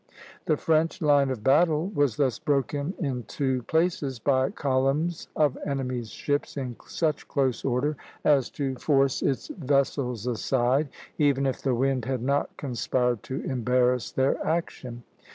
The French line of battle was thus broken in two places by columns of enemies' ships in such close order as to force its vessels aside, even if the wind had not conspired to embarrass their action.